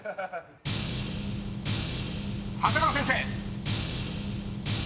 ［長谷川先生］